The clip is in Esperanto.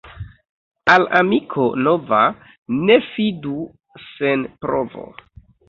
Al amiko nova ne fidu sen provo.